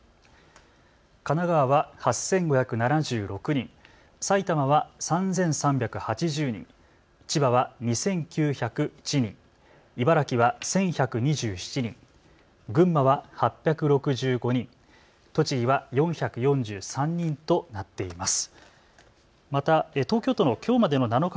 神奈川は８５７６人、埼玉は３３８０人、千葉は２９０１人、茨城は１１２７人、群馬は８６５人、栃木は４４３人となっています。